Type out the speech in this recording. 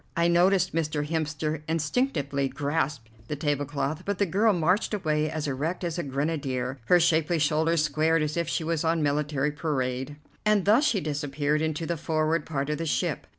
I noticed Mr. Hemster instinctively grasp the tablecloth, but the girl marched away as erect as a grenadier, her shapely shoulders squared as if she was on military parade, and thus she disappeared into the forward part of the ship.